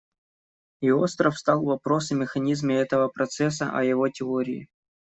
И остро встал вопрос о механизме этого процесса, о его теории.